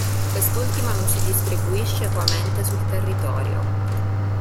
Quest'ultima non si distribuisce equamente sul territorio.